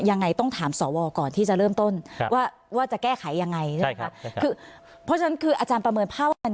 ยังไงต้องถามสที่จะเริ่มต้นว่าจะแก้ไขไง